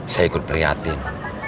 saya ikut pria tim